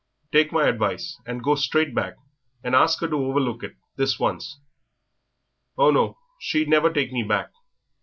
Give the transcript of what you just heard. "Take my advice, and go straight back and ask 'er to overlook it, this once." "Oh, no, she'd never take me back."